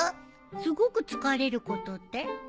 すごく疲れることって？